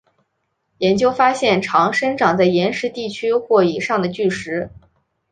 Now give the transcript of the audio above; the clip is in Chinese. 研究发现常生长在岩石地区或以上的巨石。